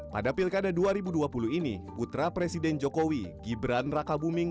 pada pilkada dua ribu dua puluh ini putra presiden jokowi gibran raka buming